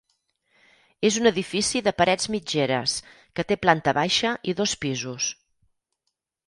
És un edifici de parets mitgeres, que té planta baixa i dos pisos.